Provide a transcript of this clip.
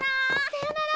さよなら！